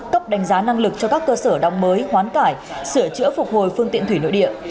cấp đánh giá năng lực cho các cơ sở đóng mới hoán cải sửa chữa phục hồi phương tiện thủy nội địa